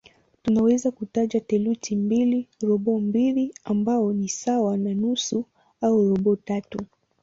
Tunaweza kutaja theluthi mbili, robo mbili ambayo ni sawa na nusu au robo tatu.